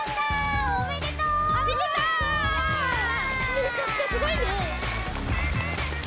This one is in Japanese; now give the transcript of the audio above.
めちゃくちゃすごいね。